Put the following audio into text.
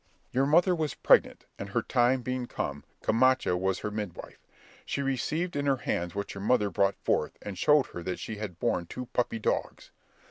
"Your mother was pregnant, and her time being come, Camacha was her midwife. She received in her hands what your mother brought forth, and showed her that she had borne two puppy dogs.